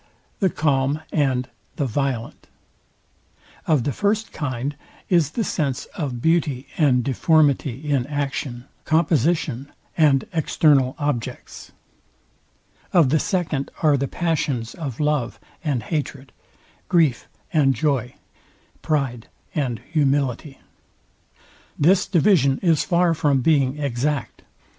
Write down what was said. the calm and the VIOLENT. Of the first kind is the sense of beauty and deformity in action, composition, and external objects. Of the second are the passions of love and hatred, grief and joy, pride and humility. This division is far from being exact.